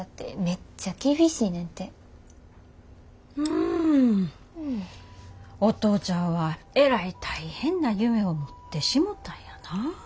んお父ちゃんはえらい大変な夢を持ってしもたんやな。